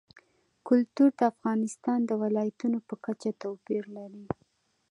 کلتور د افغانستان د ولایاتو په کچه توپیر لري.